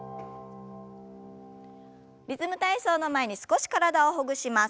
リズム体操の前に少し体をほぐします。